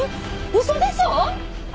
嘘でしょ！？